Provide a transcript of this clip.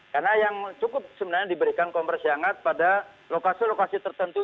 karena yang cukup sebenarnya diberikan kompres hangat pada lokasi lokasi tertentu